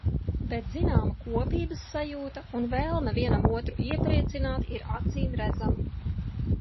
Bet zināma kopības sajūta un vēlme vienam otru iepriecināt ir acīmredzama.